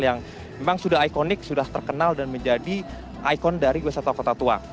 yang memang sudah ikonik sudah terkenal dan menjadi ikon dari wisata kota tua